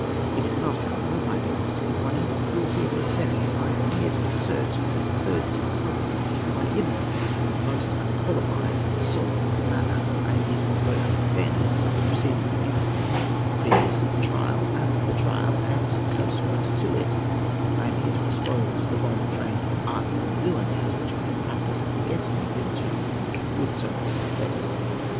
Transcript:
It is not, however, my business to complain of the cruelty of this sentence. I am here to assert, for the third time, my innocence in the most unqualified and solemn manner; I am here to expose the unfairness of the proceedings against me previous to the trial, at the trial, and subsequent to it; I am here to expose the long train of artful villainies which have been practised against me hitherto with so much success.